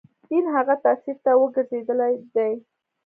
دین هغه تفسیر ته ورګرځېدل دي.